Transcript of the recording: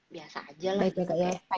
biasa aja lah